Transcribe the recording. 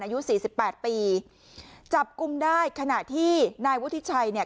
อายุสี่สิบแปดปีจับกลุ่มได้ขณะที่นายวุฒิชัยเนี่ย